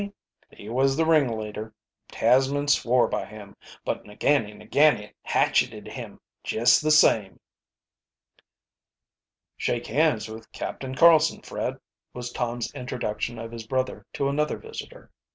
He was the ringleader. Tasman swore by him, but Ngani Ngani hatcheted him just the same." "Shake hands with Captain Carlsen, Fred," was Tom's introduction of his brother to another visitor.